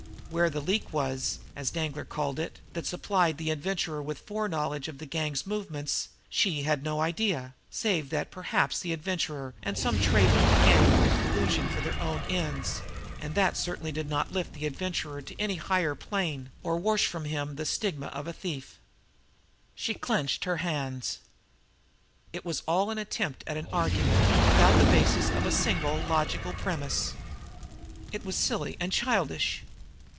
Where the "leak" was, as Danglar called it, that supplied the Adventurer with foreknowledge of the gang's movements, she had no idea, save that perhaps the Adventurer and some traitor in the gang were in collusion for their own ends and that certainly did not lift the Adventurer to any higher plane, or wash from him the stigma of thief. She clenched her hands. It was all an attempt at argument without the basis of a single logical premise. It was silly and childish!